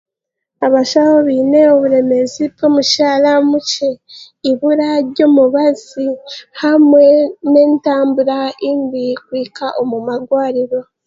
Abashaho beine oburemeezi bw'omushaara mukye, ibura ry'omubazi hamwe n'entambura mbi kuhika omu marwariiro.